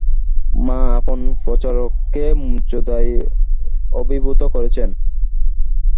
মা আপন প্রচারককে মর্যাদায় অভিভূত করেছেন।